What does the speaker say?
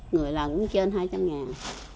người làm trên hai trăm linh ngàn